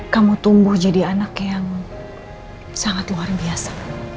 kamu tumbuh jadi anak yang sangat luar biasa